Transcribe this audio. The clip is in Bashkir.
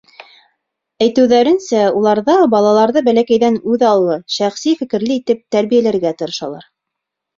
Әйтеүҙәренсә, уларҙа балаларҙы бәләкәйҙән үҙаллы, шәхси фекерле итеп тәрбиәләргә тырышалар.